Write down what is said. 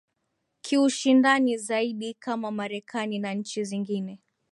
kiushindani zaidi kama marekani na nchi zingine